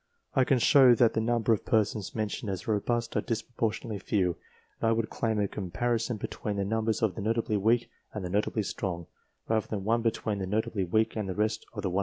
I can show that the number of persons mentioned as robust are disproportionately few, and I would claim a comparison between the numbers of the notably weak and the notably strong, rather than one between the notably weak and the rest of the 196.